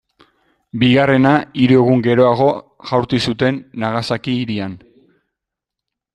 Bigarrena, hiru egun geroago jaurti zuten, Nagasaki hirian.